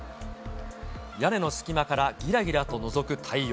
屋根の隙間からぎらぎらとのぞく太陽。